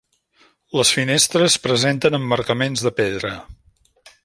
Les finestres presenten emmarcaments de pedra.